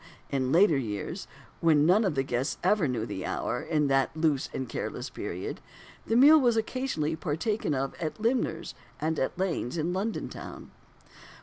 in later years, when none of the guests ever knew the hour, in that loose and careless period, the meal was occasionally partaken of at Limmer's and at Lane's, in London town.